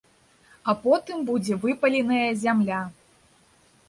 А потым будзе выпаленая зямля.